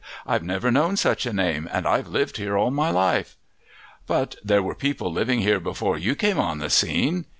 I've never known such a name and I've lived here all my life." "But there were people living here before you came on the scene.